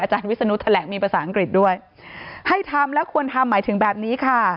วิศนุแถลงมีภาษาอังกฤษด้วยให้ทำและควรทำหมายถึงแบบนี้ค่ะ